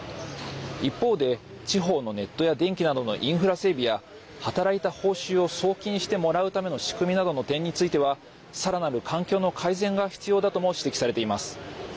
一方で、地方のネットや電気などのインフラ整備や働いた報酬を送金してもらうための仕組みなどの点についてはさらなる環境の改善が必要だとも指摘されています。